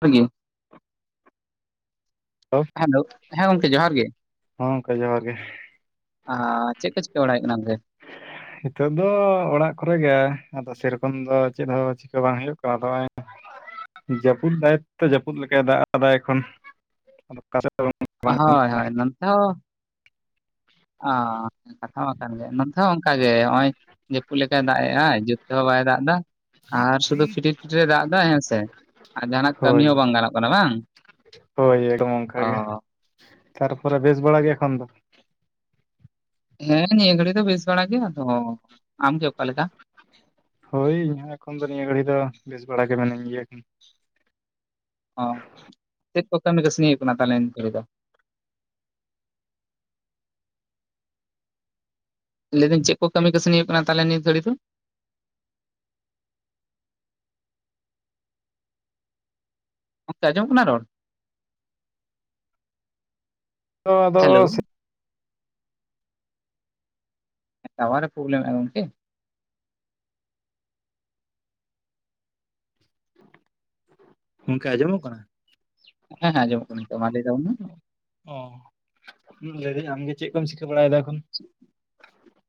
ᱟᱯᱮ ᱜᱮ? ᱦᱮᱞᱳ ᱦᱮᱸ ᱜᱚᱝᱠᱮ ᱡᱚᱦᱟᱨ ᱜᱮ᱾ ᱦᱚᱸ ᱜᱚᱝᱠᱮ ᱡᱚᱦᱟᱨ ᱜᱮ ᱚᱸ ᱪᱮᱫ ᱠᱚ ᱪᱮᱠᱟ ᱵᱟᱲᱟᱭ ᱦᱩᱭᱩᱜ ᱠᱟᱱᱟ ᱚᱱᱛᱮ? ᱱᱤᱛᱚᱜ ᱫᱚ ᱚᱲᱟᱜ ᱠᱚᱨᱮ ᱜᱮ ᱟᱫᱚ ᱥᱮᱨᱚᱠᱚᱢ ᱫᱚ ᱪᱮᱫ ᱦᱚᱸ ᱪᱤᱠᱟᱹ ᱵᱟᱝ ᱦᱩᱭᱩᱜ ᱠᱟᱱᱟ ᱛᱚ ᱦᱚᱸᱚᱭ᱾ ᱡᱟᱹᱯᱩᱫ ᱫᱟᱭ ᱛᱚ ᱡᱟᱹᱯᱩᱫ ᱞᱮᱠᱟᱭ ᱫᱟᱜ ᱠᱟᱫᱟᱭ ᱮᱠᱷᱚᱱ ᱟᱫᱚ ᱚᱠᱟ ᱥᱮᱫ᱾ ᱵᱟᱝ ᱜᱟᱱᱚᱜ ᱦᱳᱭ ᱠᱟᱱᱟ ᱦᱳᱭ ᱱᱛᱱᱛᱮ ᱦᱚᱸ ᱚ ᱠᱟᱛᱷᱟ ᱢᱟ ᱠᱟᱱ ᱜᱮ ᱱᱚᱛᱮ ᱦᱚᱸ ᱚᱱᱠᱟᱜ ᱜᱮ ᱱᱚᱜᱼᱚᱭ ᱡᱟᱹᱯᱩᱫ ᱞᱮᱠᱟᱭ ᱫᱟᱜ ᱮᱫᱟᱭ ᱡᱩᱛ ᱛᱮᱦᱚᱸ ᱵᱟᱭ ᱫᱟᱜ ᱮᱫᱟ ᱟᱨ ᱥᱩᱫᱩ ᱯᱷᱤᱴᱤᱨ ᱯᱷᱤᱴᱤᱨ ᱮ ᱫᱟᱜ ᱮᱫᱟ᱾ ᱦᱮᱸᱥᱮ? ᱟᱨ ᱡᱟᱦᱟᱱᱟᱜ ᱠᱟᱹᱢᱤ ᱦᱳᱭ ᱦᱚᱸ ᱵᱟᱝ ᱜᱟᱱᱚᱜ ᱠᱟᱱᱟ᱾ ᱵᱟᱝ? ᱦᱳᱭ ᱮᱫᱚᱢ ᱚᱱᱠᱟ ᱚ ᱜᱮ ᱛᱟᱨᱯᱚᱨᱮ ᱵᱮᱥ ᱵᱟᱲᱟ ᱜᱮ ᱮᱠᱷᱚᱱ ᱫᱚ ᱦᱮᱸ ᱱᱤᱭᱟᱹ ᱜᱷᱟᱹᱲᱤ ᱫᱚ ᱵᱮᱥ ᱵᱟᱲᱟ ᱜᱮ ᱟᱫᱚ ᱟᱢᱜᱮ ᱚᱠᱟᱮ ᱞᱮᱠᱟ? ᱦᱳᱭ ᱤᱧᱦᱚᱸ ᱮᱠᱷᱚᱱ ᱫᱚ ᱱᱤᱭᱟᱹ ᱜᱷᱟᱹᱲᱤ ᱫᱚ ᱵᱮᱥ ᱵᱟᱲᱟ ᱜᱮ ᱢᱱᱟᱹᱧ ᱜᱮᱭᱟ ᱦᱚᱸ ᱪᱮᱫ ᱠᱚ ᱠᱟᱹᱢᱤ ᱠᱟᱹᱥᱱᱤ ᱦᱩᱭᱩᱜ ᱠᱟᱱᱟ ᱛᱟᱦᱚᱞᱮ ᱱᱤᱭᱟᱹ ᱫᱷᱲᱤ ᱫᱚ ᱞᱟᱹᱭᱮᱫᱟᱹᱧ ᱪᱮᱫ ᱠᱚ ᱠᱟᱹᱢᱤ ᱠᱟᱹᱥᱱᱤ ᱦᱩᱭᱩᱜ ᱠᱟᱱᱟ ᱛᱟᱦᱚᱞᱮ ᱱᱤᱭ ᱜᱷᱟᱹᱲᱤᱡ ᱫᱚ ᱜᱚᱝᱠᱮ ᱟᱸᱡᱚᱢ ᱠᱟᱱᱟ ᱨᱚᱲ ᱛ ᱟᱫᱚ ᱦᱮᱞᱳ ᱥᱮ ᱛᱟᱣᱟᱨᱮ ᱯᱨᱚᱵᱞᱮᱢ ᱮᱫᱟ ᱜᱚᱝᱠᱮ ᱜᱚᱝᱠᱮ ᱟᱸᱡᱚᱢᱚᱜ ᱠᱟᱱᱟ ᱦᱮᱸ ᱦᱮᱸ ᱟᱸᱡᱚᱢᱚᱜᱽ ᱠᱟᱱᱟ ᱛᱚ ᱢᱟ ᱞᱟᱹᱭ ᱛᱟᱵᱚᱱ ᱢᱮ ᱚᱸ ᱞᱟᱹᱭ ᱫᱟᱹᱧ ᱟᱢᱜᱮ ᱪᱮᱫ ᱠᱚᱢ ᱪᱤᱠᱟᱹ ᱵᱟᱲᱟᱭᱮᱫᱟ ᱮᱠᱷᱚᱱ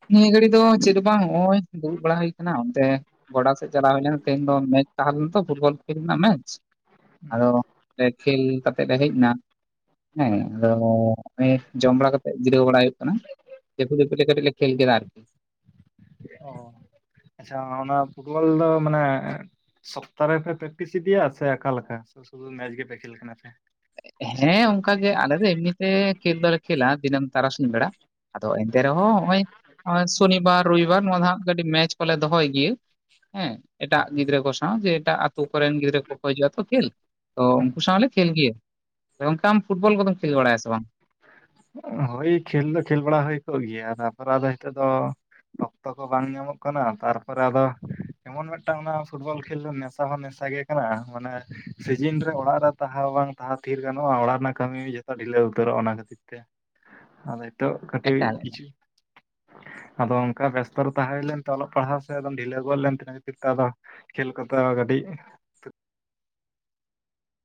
ᱱᱤᱭᱟᱹ ᱜᱷᱟᱹᱲᱤ ᱫᱚ ᱪᱮᱫ ᱦᱚᱸ ᱵᱟᱝ ᱱᱚᱜ-ᱚᱭ ᱫᱩᱲᱩᱵ ᱵᱟᱲᱟ ᱦᱩᱭ ᱠᱟᱱᱟ ᱚᱱᱛᱮ ᱜᱚᱰᱟ ᱥᱮᱫ ᱪᱟᱞᱟᱣ ᱦᱩᱭ ᱞᱮᱱᱟ ᱛᱮᱦᱮᱧ ᱫᱚ ᱢᱮᱪ ᱛᱟᱦᱮᱸ ᱞᱮᱱᱟ ᱛᱚ ᱯᱷᱩᱴᱵᱚᱞ ᱠᱷᱮᱞ ᱨᱮᱱᱟᱜ ᱢᱮᱪ ᱟᱫᱚ ᱠᱷᱮᱞ ᱠᱟᱛᱮᱫ ᱞᱮ ᱦᱮᱡᱽ ᱮᱱᱟ ᱦᱮᱸ ᱟᱫᱚ ᱱᱮᱸ ᱡᱚᱢ ᱵᱟᱲᱟ ᱠᱟᱛᱮᱜ ᱡᱤᱨᱟᱹᱣ ᱵᱟᱲᱟ ᱦᱩᱭᱩᱜ ᱠᱟᱱᱟ᱾ ᱡᱟᱯᱩᱫ ᱡᱟᱯᱩᱫ ᱠᱟᱴᱤᱡᱽ ᱞᱮ ᱠᱷᱮᱞ ᱜᱮᱫᱟ ᱟᱨᱠᱤ ᱚ ᱟᱪᱪᱷᱟ ᱚᱱᱟ ᱯᱷᱩᱴᱵᱚᱞ ᱫᱚ ᱢᱟᱱᱮ ᱥᱚᱯᱛᱟᱦᱨᱮ ᱯᱮ ᱯᱮᱠᱴᱤᱥ ᱤᱫᱤᱭᱟ ᱥᱮ ᱚᱠᱟᱞᱮᱠᱟ ᱥᱩᱫᱩ ᱢᱮᱪ ᱜᱮᱯᱮ ᱠᱷᱮᱞ ᱠᱟᱱᱟ ᱥᱮ ᱦᱮᱸ ᱚᱱᱠᱟ ᱜᱮ ᱟᱞᱮ ᱫᱚ ᱮᱢᱱᱤᱛᱮ ᱠᱷᱮᱞ ᱫᱚᱞᱮ ᱠᱷᱮᱹᱞᱟ ᱫᱤᱱᱟᱹᱢ ᱛᱟᱨᱟᱥᱤᱧ ᱵᱮᱲᱟ ᱟᱫᱚ ᱦᱮᱸ ᱮᱱᱛᱮ ᱨᱮᱦᱚᱸ ᱱᱚᱜ-ᱚᱭ ᱥᱚᱱᱤᱵᱟᱨ ᱨᱚᱭᱤᱵᱟᱨ ᱱᱚᱣᱟ ᱫᱚ ᱦᱟᱜ ᱠᱟᱹᱴᱤᱡᱽ ᱢᱮᱪ ᱠᱚᱞᱮ ᱫᱚᱦᱚᱭ ᱜᱤᱭᱟᱹ ᱦᱮᱸ ᱮᱴᱟᱜ ᱜᱤᱫᱽᱨᱟᱹ ᱠᱚ ᱥᱟᱶ ᱡᱮ ᱮᱴᱟᱜ ᱟᱹᱛᱩ ᱠᱚᱨᱮᱱ ᱜᱤᱫᱽᱨᱟᱹ ᱠᱚᱠᱚ ᱦᱤᱡᱩᱜ-ᱟ ᱛᱚ ᱠᱷᱮᱞ ᱛᱚ ᱦᱩᱸ ᱩᱱᱠᱩ ᱥᱟᱶᱞᱮ ᱠᱷᱮᱞ ᱜᱮᱭᱟ ᱜᱚᱝᱠᱮ ᱟᱢ ᱯᱷᱩᱴᱵᱚᱞ ᱠᱚᱫᱚᱢ ᱠᱷᱮᱞ ᱵᱟᱲᱟᱭᱟ ᱥᱮ ᱵᱟᱝ ᱦᱳᱭ ᱠᱷᱮᱞ ᱫᱚ ᱠᱷᱮᱞ ᱵᱟᱲᱟ ᱦᱩᱭ ᱠᱚᱜ ᱜᱮᱭᱟ ᱛᱟᱨᱯᱚᱨᱮ ᱟᱫᱚ ᱦᱮᱸᱛᱚᱜ ᱫᱚ ᱚᱠᱛᱚ ᱠᱚ ᱵᱟᱝ ᱧᱟᱢᱚᱜ ᱠᱟᱱᱟ ᱛᱟᱨᱯᱚᱨᱮ ᱟᱫᱚ ᱮᱢᱚᱱ ᱢᱤᱫᱴᱟᱝ ᱚᱱᱟ ᱯᱷᱩᱴᱵᱚᱞ ᱠᱷᱮᱞ ᱫᱚ ᱱᱮᱥᱟ ᱦᱚᱸ ᱱᱮᱥᱟ ᱜᱮ ᱠᱟᱱᱟ ᱢᱟᱱᱮ ᱥᱤᱡᱤᱱ ᱨᱮ ᱚᱲᱟᱜ ᱨᱮ ᱛᱟᱦᱟᱣ ᱵᱟᱝ ᱛᱟᱦᱟᱣ ᱛᱷᱤᱨ ᱜᱟᱱᱚᱜ-ᱟ ᱚᱲᱟᱜ ᱨᱮᱱᱟᱜ ᱠᱟᱹᱢᱤ ᱡᱚᱛᱚ ᱰᱷᱤᱞᱟᱹᱣ ᱩᱛᱟᱹᱨᱚᱜ-ᱟ ᱚᱱᱟ ᱠᱷᱟᱹᱛᱤᱨ ᱛᱮ ᱟᱫᱚ ᱱᱤᱛᱚᱜ ᱠᱟᱴᱤᱜ ᱮᱠᱟᱞ ᱠᱤᱪᱷᱤ ᱟᱫᱚ ᱚᱱᱠᱟ ᱵᱮᱥᱛᱚ ᱨᱮ ᱛᱟᱦᱮᱸ ᱦᱩᱭ ᱞᱮᱱᱛᱮ ᱚᱞᱚᱜ ᱯᱟᱲᱦᱟᱜ ᱥᱮᱫᱚᱢ ᱰᱷᱤᱞᱟᱹᱣ ᱜᱚᱫ ᱞᱮᱱ ᱛᱟᱦᱮᱸ ᱠᱷᱟᱹᱛᱤᱨ ᱛᱮ ᱟᱫᱚ ᱠᱮᱞ ᱠᱚᱫᱚ ᱠᱟᱹᱴᱤᱡᱽ